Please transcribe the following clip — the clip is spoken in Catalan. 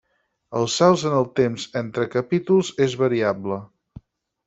Els salts en el temps entre capítols és variable.